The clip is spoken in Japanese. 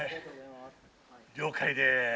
了解です。